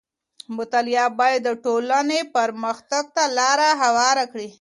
مطالعه بايد د ټولنې پرمختګ ته لار هواره کړي.